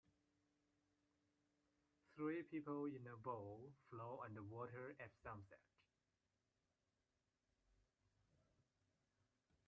Three people in a boat float on the water at sunset.